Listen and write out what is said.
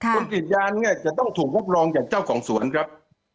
กรีดยางเนี่ยจะต้องถูกรับรองจากเจ้าของสวนครับ